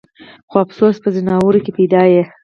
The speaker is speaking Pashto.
خو افسوس چې پۀ ځناورو کښې پېدا ئې